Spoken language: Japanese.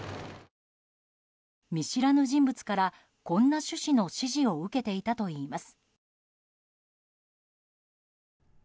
見知らぬ人物からこんな趣旨の指示を受けていたといいます。